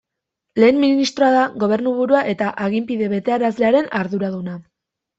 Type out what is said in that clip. Lehen ministroa da gobernuburua eta aginpide betearazlearen arduraduna.